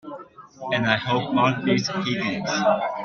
And I hope Mark beats Higgins!